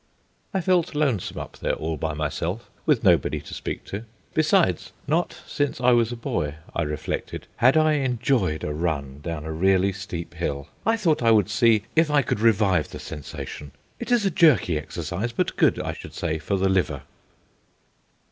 I felt lonesome up there all by myself, with nobody to speak to. Besides, not since I was a boy, I reflected, had I enjoyed a run down a really steep hill. I thought I would see if I could revive the sensation. It is a jerky exercise, but good, I should say, for the liver.